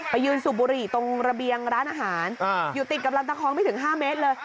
ยืนสูบบุหรี่ตรงระเบียงร้านอาหารอยู่ติดกับลำตะคองไม่ถึง๕เมตรเลย